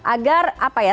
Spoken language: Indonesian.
agar apa ya